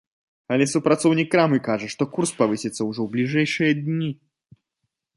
Але супрацоўнік крамы кажа, што курс павысіцца ўжо ў бліжэйшыя дні.